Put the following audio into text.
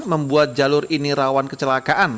membuat jalur ini rawan kecelakaan